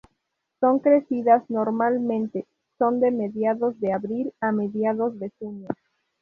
Sus crecidas normalmente son de mediados de abril a mediados de junio.